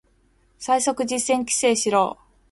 最速実践規制しろ